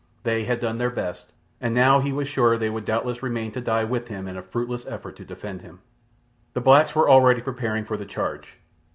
They had done their best, and now he was sure they would doubtless remain to die with him in a fruitless effort to defend him. The blacks were already preparing for the charge.